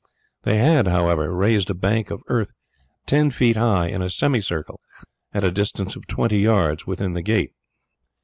They had, however, raised a bank of earth ten feet high in a semicircle at a distance of twenty yards within the gate.